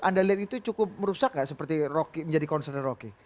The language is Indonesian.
anda lihat itu cukup merusak nggak seperti menjadi concern rocky